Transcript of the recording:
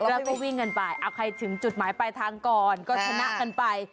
แล้วก็วิ่งกันไปเอาใครถึงจุดหมายปลายทางก่อนก็ชนะกันไป